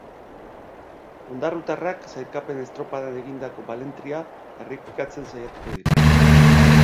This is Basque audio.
Ondarrutarrak sailkapen estropadan egindako balentria errepikatzen saiatuko dira.